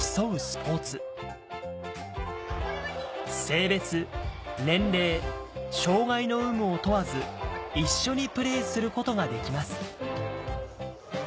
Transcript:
性別年齢障がいの有無を問わず一緒にプレーすることができます